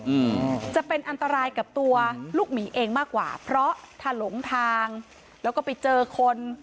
อืมจะเป็นอันตรายกับตัวลูกหมีเองมากกว่าเพราะถ้าหลงทางแล้วก็ไปเจอคน